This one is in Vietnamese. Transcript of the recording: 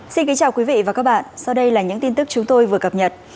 xin kính chào quý vị và các bạn sau đây là những tin tức chúng tôi vừa cập nhật